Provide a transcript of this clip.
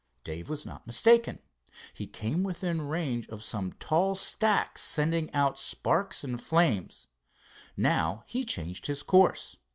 Dave was not mistaken. He came within range of some tall, stacks sending out sparks and flames. Now he changed his course.